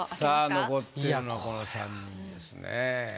さあ残ってるのはこの３人ですね。